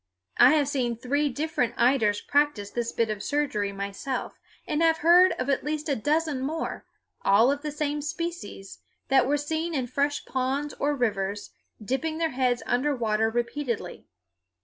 I have seen three different eiders practice this bit of surgery myself, and have heard of at least a dozen more, all of the same species, that were seen in fresh ponds or rivers, dipping their heads under water repeatedly.